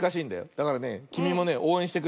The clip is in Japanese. だからねきみもねおうえんしてくれ。